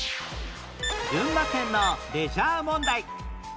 群馬県のレジャー問題